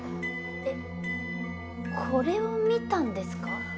えっこれを見たんですか？